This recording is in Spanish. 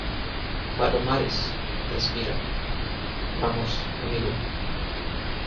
palomares, respira. vamos , amigo .